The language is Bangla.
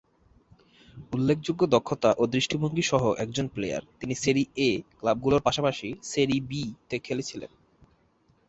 উল্লেখযোগ্য দক্ষতা ও দৃষ্টিভঙ্গি সহ একজন প্লেয়ার, তিনি সেরি এ ক্লাবগুলির পাশাপাশি সেরি বি তে খেলেছিলেন।